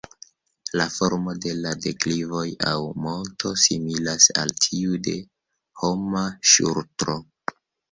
La formo de la deklivoj aŭ monto similas al tiu de homa ŝultro.